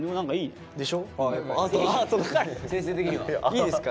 いいですか？